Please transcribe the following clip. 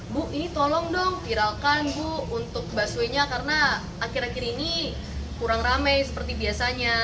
bu ini tolong dong viralkan bu untuk busway nya karena akhir akhir ini kurang ramai seperti biasanya